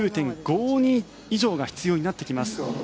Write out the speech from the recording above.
以上が必要になってきます。